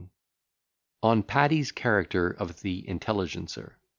_] ON PADDY'S CHARACTER OF THE "INTELLIGENCER."